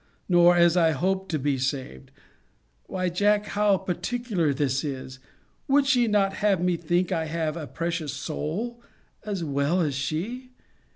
nor, As I hope to be saved! Why, Jack, how particular this is! Would she not have me think I have a precious soul, as well as she?